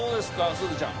すずちゃん。